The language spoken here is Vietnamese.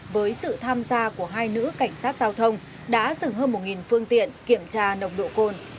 với sự tham gia của hai nữ cảnh sát giao thông đã dừng hơn một phương tiện kiểm tra nồng độ cồn